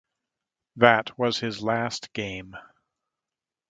That was his last game.